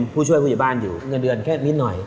ผู้ช่วยผู้ใหญ่บ้านอยู่เงินเดือนแค่นิดหน่อย